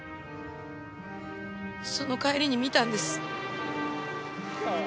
その帰りに見たんです。